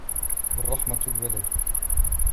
وَالرَّحْمَةَ الْوَلَدُ